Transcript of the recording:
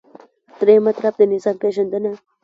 دریم مطلب : د نظام پیژندنه